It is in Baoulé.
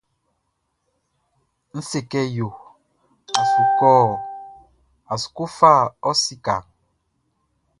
N se kɛ yo a su kɔ fa ɔ sikaʼn?